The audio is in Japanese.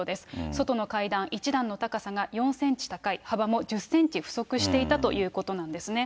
外の階段１段の高さが４センチ高い、幅も１０センチ不足していたということなんですね。